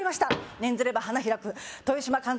念ずれば花開く豊島監督